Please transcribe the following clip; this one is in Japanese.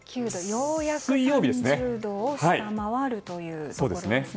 ようやく３０度を下回るということですね。